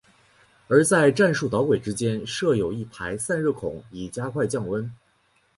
而在战术导轨之间设有一排散热孔以加快降温。